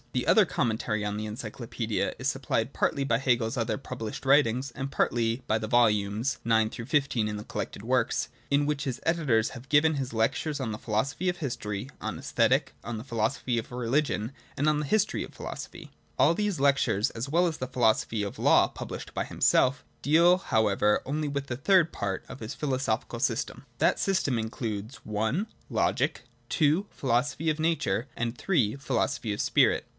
The other commentary on the Encyclopaedia is supplied partly by Hegel's other published writings, and partly by the volumes (IX XV in the Collected works) in which his editors have given his Lectures on the Philosophy of History, on Aesthetic, on the Philosophy of Religion, and on the History of Philo ' Christian Marklin, cap. 3. OF THE ENCYCLOPAEDIA. xi sophy. All of these lectures, as well as the Philosophy of Law, published by himself, deal however only with the third part of the philosophic system. That system (p. 28) includes (i) Logic, (ii) Philosophy of Nature, and (iii) Philosophy of Spirit.